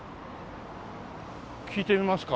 聞いてみますか？